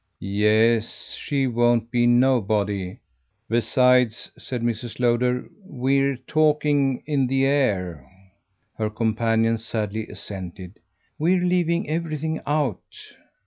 "Yes, she won't be nobody. Besides," said Mrs. Lowder, "we're talking in the air." Her companion sadly assented. "We're leaving everything out."